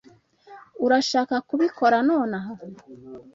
Urashaka kubikora nonaha?